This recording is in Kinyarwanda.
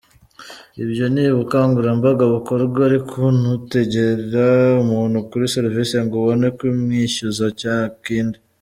Ibyo ni ubukangurambaga bukorwa, ariko ntutegera umuntu kuri serivisi ngo ubone kumwishyuza cya kindi’’.